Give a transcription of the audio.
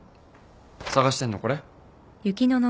捜してんのこれ？